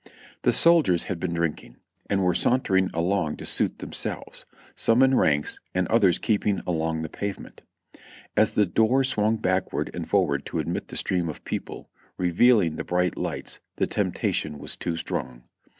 The soldiers had been drinking, and were sauntering along to suit themselves, some in ranks and others keeping along the pavement. As the door swung backward and forward to admit the stream of people, revealing the brilliant lights, the temptation was too strong.